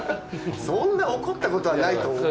そんな怒ったことはないと思うっすよ。